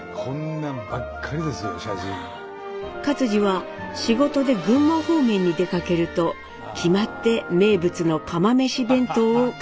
克爾は仕事で群馬方面に出かけると決まって名物の釜めし弁当を買ってきました。